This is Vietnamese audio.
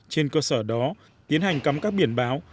trên cơ sở đó tiến hành cắm các biển báo